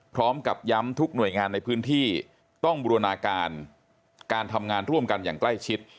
พร้อมกับย้ำทุกหน่วยงานในพื้นที่ต้องบูรณาการการทำงานร่วมกันอย่างใกล้ชิด